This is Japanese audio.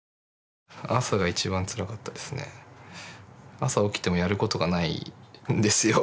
朝起きてもやることがないんですよ。